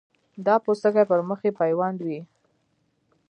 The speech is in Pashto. دا پوستکی پر مخ یې پیوند وي.